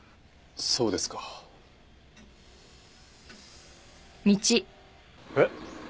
そうですか。えっ？